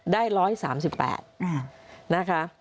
ได้๑๓๘นะคะ